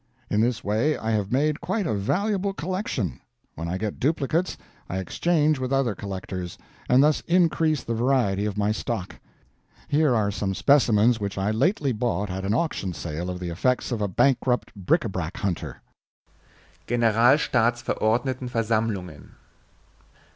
In this way I have made quite a valuable collection. When I get duplicates, I exchange with other collectors, and thus increase the variety of my stock. Here are some specimens which I lately bought at an auction sale of the effects of a bankrupt bric a brac hunter: Generalstaatsverordnetenversammlungen.